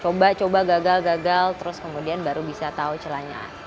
coba coba gagal gagal terus kemudian baru bisa tahu celahnya